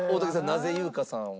なぜ優香さんを？